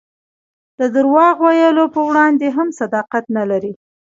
د درواغ ویلو په وړاندې هم صداقت نه لري.